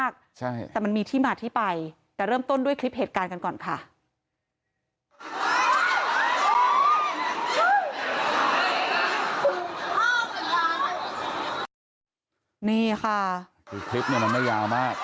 คลิปนี่มันไม่ยาวมาก